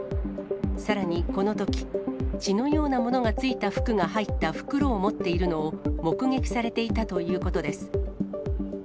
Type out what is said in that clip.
さらにこのとき、血のようなものがついた服が入った袋を持っているのを目撃されていたということです。